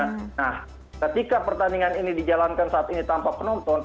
nah ketika pertandingan ini dijalankan saat ini tanpa penonton